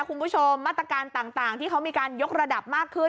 คุณผู้ชมมาตรการต่างที่เขามีการยกระดับมากขึ้น